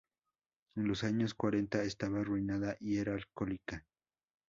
En los años cuarenta estaba arruinada y era alcohólica.